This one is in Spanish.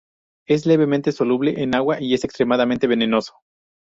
Es levemente soluble en agua y es extremadamente venenoso.